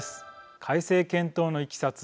改正検討のいきさつ。